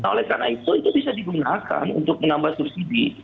oleh karena itu itu bisa digunakan untuk menambah subsidi